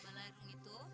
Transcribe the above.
karena balairu itu